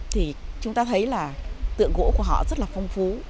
thì chúng ta thấy là tượng gỗ của họ rất là phong phú